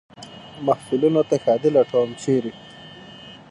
محفلونو ته ښادي لټوم ، چېرې ؟